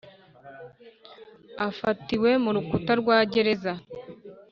afatiwe mu rukuta rwa gereza